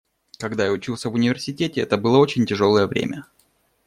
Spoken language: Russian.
Когда я учился в университете, это было очень тяжелое время.